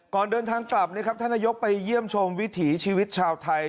ก่อนเดินทางกลับนะครับท่านนายกไปเยี่ยมชมวิถีชีวิตชาวไทย